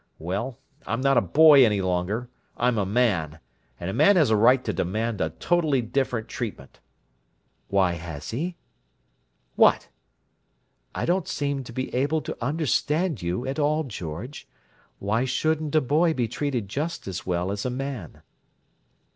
Well, I'm not a boy any longer. I'm a man, and a man has a right to demand a totally different treatment." "Why has he?" "What?" "I don't seem to be able to understand you at all, George. Why shouldn't a boy be treated just as well as a man?"